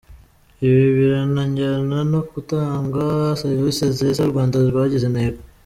Ibi biranajyana no gutanga serivisi nziza u Rwanda rwagize intego.